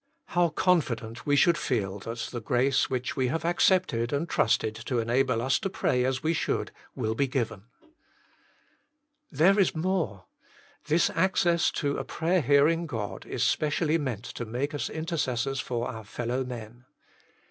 How confident we should feel that the grace, which we have accepted and trusted to enable us to pray as we should, will be given. There is more. This access to a prayer hearing God is specially meant to make us intercessors for 150 THE MINISTRY OF INTERCESSION our fellow men.